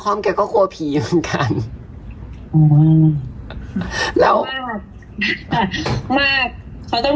ก็ตกใจรับเลยว่าตกใจ